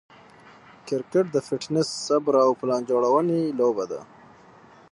کرکټ د فټنس، صبر، او پلان جوړوني لوبه ده.